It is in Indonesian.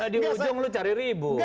di ujung lu cari ribu